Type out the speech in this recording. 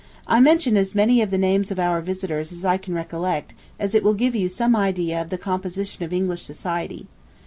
I mention as many of the names of our visitors as I can recollect, as it will give you some idea of the composition of English society